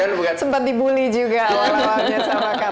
di ospek dulu gitu kan